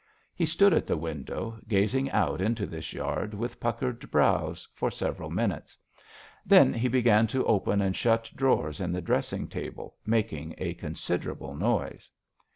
He stood at the window, gazing out into this yard, with puckered brows, for several minutes. Then he began to open and shut drawers in the dressing table, making a considerable noise.